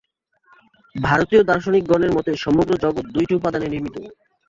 ভারতীয় দার্শনিকগণের মতে সমগ্র জগৎ দুইটি উপাদানে নির্মিত।